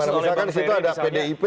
misalkan disitu ada pdip